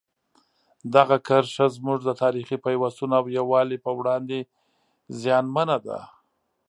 دغه کرښه زموږ د تاریخي پیوستون او یووالي په وړاندې زیانمنه ده.